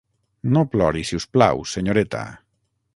No plori, si us plau, senyoreta!